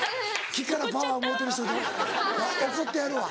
木からパワーもろうてる人が怒ってはるわ。